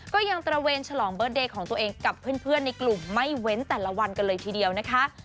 ก็ยังตระเวนฉลองเบิร์ตเดย์ของตัวเองกับเพื่อนในกลุ่มไม่เว้นแต่ละวันกันเลยทีเดียวนะคะ